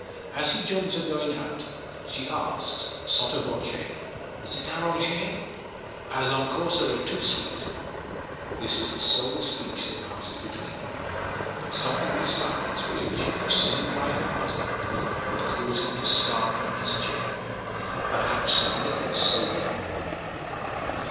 As he joins her going out, she asks, sotto voce: "C'est arrange?" "Pas encore serait tout suite." This the sole speech that passes between them; but something besides, which, if seen by her husband, would cause him to start from his chair perhaps some little sober him.